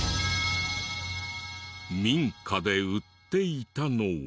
民家で売っていたのは。